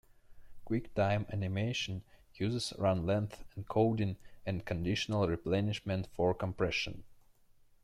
QuickTime Animation uses run-length encoding and conditional replenishment for compression.